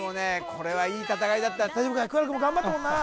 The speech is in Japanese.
これはいい戦いだった桑名君も頑張ったもんな